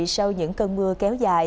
sau những cơn mưa kéo dài